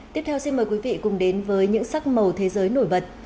tiếp theo xin mời quý vị cùng đến với những sắc màu thế giới nổi bật